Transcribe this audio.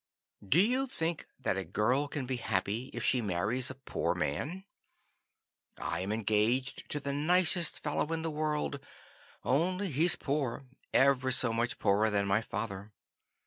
"Do you think that a girl can be happy if she marries a poor man? I am engaged to the nicest fellow in the world, only he's poor, ever so much poorer than my father.